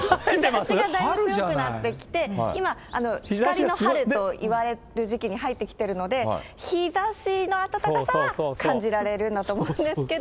今、光の春といわれる時期に入ってきているので、日ざしの暖かさは感じられるんだと思うんですけど。